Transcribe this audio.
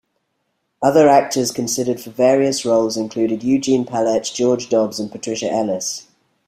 Other actors considered for various roles included Eugene Pallette, George Dobbs and Patricia Ellis.